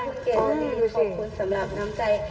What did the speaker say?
คุณเกียรติขอบคุณสำหรับน้ำใจ